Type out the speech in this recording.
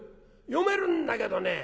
読めるんだけどね